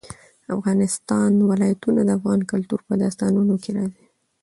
د افغانستان ولايتونه د افغان کلتور په داستانونو کې راځي.